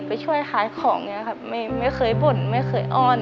ไปช่วยค้ายของเนี้ยครับไม่ไม่เคยบ่นไม่เคยอ้อน